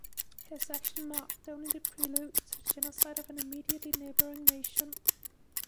His action marked only the prelude to the genocide of an immediately neighboring nation.